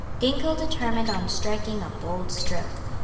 Ginkell determined on striking a bold stroke.